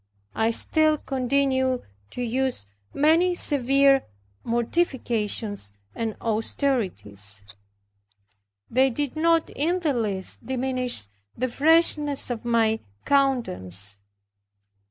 I still continued to use many severe mortifications and austerities. They did not in the least diminish the freshness of my countenance.